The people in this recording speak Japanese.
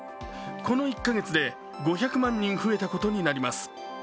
この１カ月で５００万人増えたことになります。